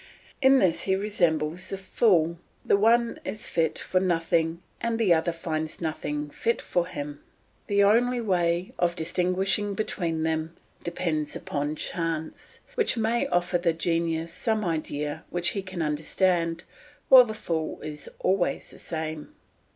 In this he resembles the fool; the one is fit for nothing, the other finds nothing fit for him. The only way of distinguishing between them depends upon chance, which may offer the genius some idea which he can understand, while the fool is always the same.